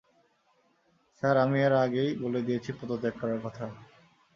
Sir, আমি এর আগেই বলে দিয়েছি পদত্যাগ করার কথা।